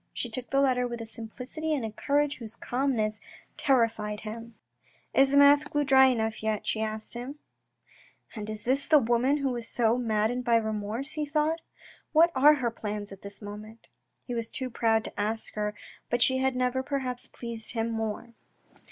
She took the letter with a simplicity and a courage whose calmness terrified him. " Is the mouth glue dry enough yet ?" she asked him. "And is this the woman who was so maddened by remorse ?" he thought. "What are her plans at this moment?" He was too proud to ask her, but she had never perhaps pleased him more.